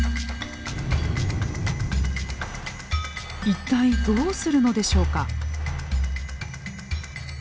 一体どうするのでしょうか？